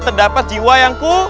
terdapat jiwa yang ku